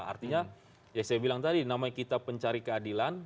artinya ya saya bilang tadi namanya kita pencari keadilan